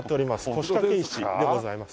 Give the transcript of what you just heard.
腰掛石でございます。